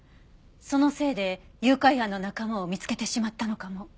そのせいで誘拐犯の仲間を見つけてしまったのかも。